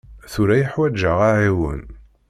Tura i ḥwaǧeɣ aɛiwen.